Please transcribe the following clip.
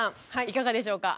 いかがでしょうか？